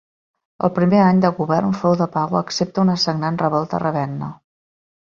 El primer any de govern fou de pau excepte una sagnant revolta a Ravenna.